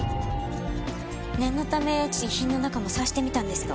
念のため父の遺品の中も探してみたんですけど